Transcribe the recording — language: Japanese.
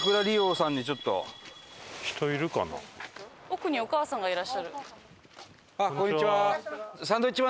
奥にお母さんがいらっしゃる。